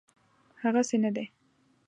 هغسي نه دی.